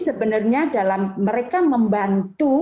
sebenarnya dalam mereka membantu